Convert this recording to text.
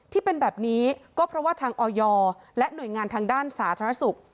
ที่เป็นแบบนี้ก็เพราะว่าทางออยและหน่วยงานทางด้านสาธารณสุข